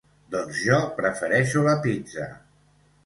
Doncs jo prefereixo la pizza.